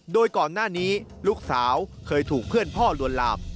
โดยก่อนหน้านี้ลูกสาวเคยถูกเพื่อนพ่อลวนลาม